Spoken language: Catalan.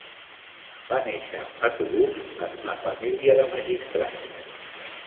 Va néixer a Toulouse en una família de magistrats.